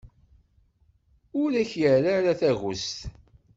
Ur ak-irra ara tagest.